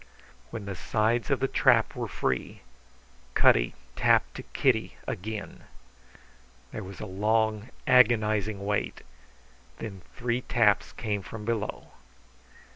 When the sides of the trap were free Cutty tapped to Kitty again. There was a long, agonizing wait. Then three taps came from below.